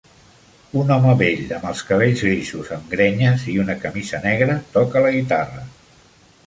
Un home vell amb els cabells grisos amb grenyes i una camisa negra toca la guitarra.